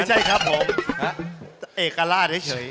ใช่ครับผมเอกราชเฉย